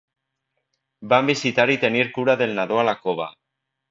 Van visitar i tenir cura del nadó a la cova.